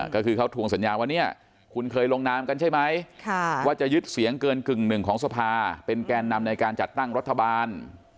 ก็คือเขาทวงสัญญาว่าเนี่ยคุณเคยลงนามกันใช่ไหมว่าจะยึดเสียงเกินกึ่งหนึ่งของสภาเป็นแกนนำในการจัดตั้งรัฐบาล